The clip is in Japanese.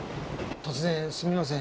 突然すみません。